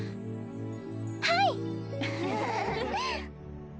はい！